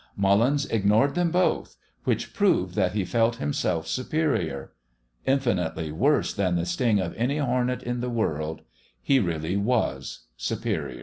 Mullins ignored them both which proved that he felt himself superior. Infinitely worse than the sting of any hornet in the world: he really was superior.